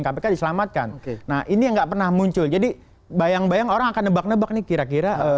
kpk diselamatkan nah ini yang nggak pernah muncul jadi bayang bayang orang akan nebak nebak nih kira kira